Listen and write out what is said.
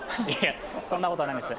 そんなことはないです